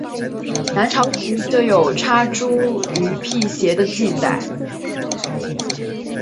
南朝时就有插茱萸辟邪的记载。